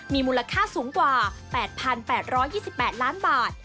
มีมูลค่าสูงกว่า๘๘๒๘ล้านบาท